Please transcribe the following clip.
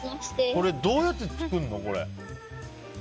これ、どうやって作るの？